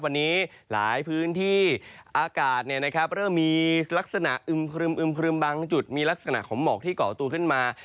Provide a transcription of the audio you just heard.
วันนี้หลายพื้นที่อากาศเริ่มมีลักษณะอึมครึมครึมบางจุดมีลักษณะของหมอกที่เกาะตัวขึ้นมา